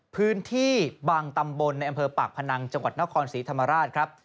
พื้นที่บางตำบลในอำเภอปากพนังจังหวัดนครศรีธรรมราชครับ